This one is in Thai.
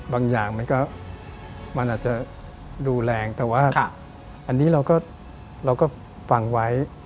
บางอย่างมันก็มันอาจจะดูแรงแต่ว่าอันนี้เราก็ฟังไว้